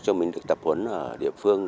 cho mình được tập huấn ở địa phương